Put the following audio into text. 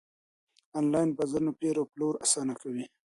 انلاين بازارونه پېر او پلور اسانه کوي.